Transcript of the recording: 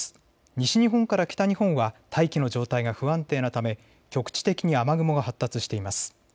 西日本から北日本は大気の状態が不安定なため局地的に雨雲が発達しています。